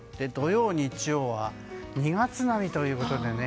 土曜、日曜は２月並みということで。